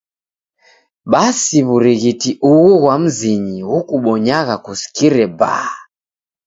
Basi wur'ighiti ughu ghwa mzinyi ghukubonyagha kusikire baa.